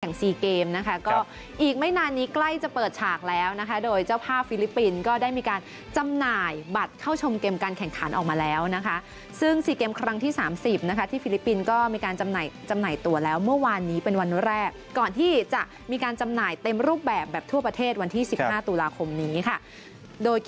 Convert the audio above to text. เกมนะคะก็อีกไม่นานนี้ใกล้จะเปิดฉากแล้วนะคะโดยเจ้าภาพฟิลิปปินส์ก็ได้มีการจำหน่ายบัตรเข้าชมเกมการแข่งขันออกมาแล้วนะคะซึ่ง๔เกมครั้งที่๓๐นะคะที่ฟิลิปปินส์ก็มีการจำหน่ายจำหน่ายตัวแล้วเมื่อวานนี้เป็นวันแรกก่อนที่จะมีการจำหน่ายเต็มรูปแบบแบบทั่วประเทศวันที่๑๕ตุลาคมนี้ค่ะโดยก